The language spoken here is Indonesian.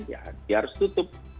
ya harus ditutup